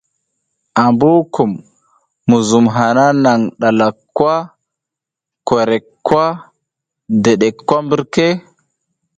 Ambukum, muzum hana nang ɗalak kwa, korek kwa dedek kwa mbirka ?